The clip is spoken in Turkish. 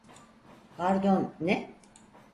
Pardon, ne?